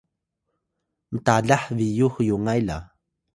mtalah biyux yungay la